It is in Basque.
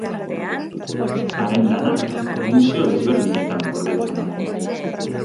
Haren lanak museo desberdinetan gordetzen da.